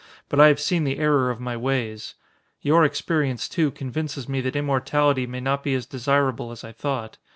But I have seen the error of my ways. Your experience, too, convinces me that immortality may not be as desirable as I thought.